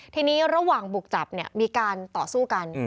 ทีนี้ระหว่างบุกจับเนี่ยมีการต่อสู้กัน